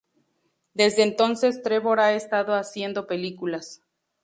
Desde entonces, Trevor ha estado haciendo películas.